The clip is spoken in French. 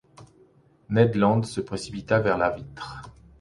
Ned Land se précipita vers la vitre.